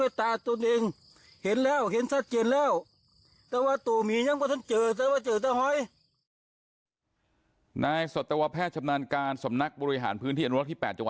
ด้วยตาตัวเองเห็นแล้วเห็นสับเจนแล้ว